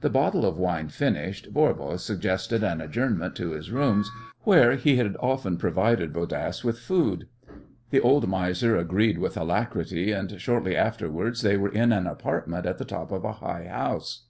The bottle of wine finished, Voirbo suggested an adjournment to his rooms, where he had often provided Bodasse with food. The old miser agreed with alacrity, and shortly afterwards they were in an apartment at the top of a high house.